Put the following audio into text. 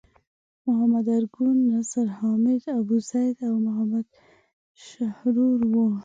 محمد ارګون، نصر حامد ابوزید او محمد شحرور وو.